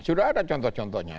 sudah ada contoh contohnya